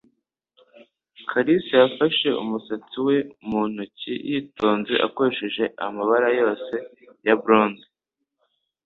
Kalisa yafashe umusatsi we mu ntoki, yitonze akoresheje amabara yose ya bronze